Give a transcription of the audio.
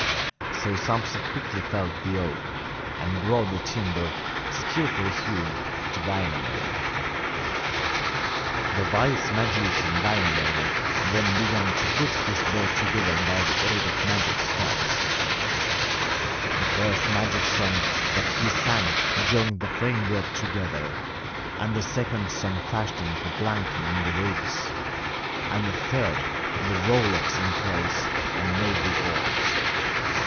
So Sampsa quickly felled the oak, and brought the timber, skilfully hewn, to Wainamoinen. The wise magician Wainamoinen then began to put his boat together by the aid of magic spells. The first magic song that he sang joined the framework together, and the second song fastened the planking into the ribs, and the third put the rowlocks in place and made the oars.